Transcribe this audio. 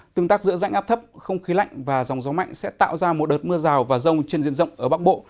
tương tác giữa rãnh áp thấp không khí lạnh và dòng gió mạnh sẽ tạo ra một đợt mưa rào và rông trên diện rộng ở bắc bộ